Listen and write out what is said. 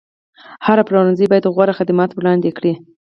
هر پلورنځی باید غوره خدمات وړاندې کړي.